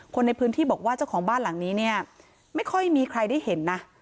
คนในพื้นที่บอกว่าเจ้าของบ้านหลังนี้เนี่ยไม่ค่อยมีใครได้เห็นนะ